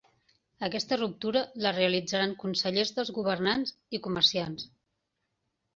Aquesta ruptura la realitzaran consellers dels governants i comerciants.